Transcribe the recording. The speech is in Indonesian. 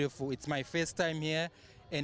ini adalah waktu pertama saya di sini